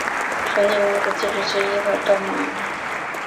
属内蒙古自治区伊克昭盟。